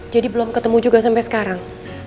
jadi belum ketemu juga sampe sekarang